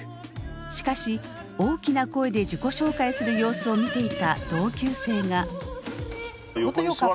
しかし大きな声で自己紹介する様子を見ていた同級生が。